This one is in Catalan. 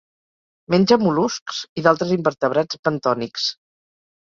Menja mol·luscs i d'altres invertebrats bentònics.